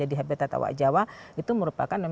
di habitat awak jawa itu merupakan